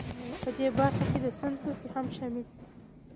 په دې برخه کې د سون توکي هم شامل دي